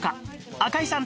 赤井さん